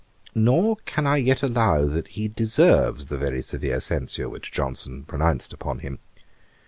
Nor can I yet allow that he deserves the very severe censure which Johnson pronounced upon him.